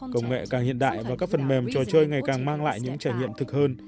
công nghệ càng hiện đại và các phần mềm trò chơi ngày càng mang lại những trải nghiệm thực hơn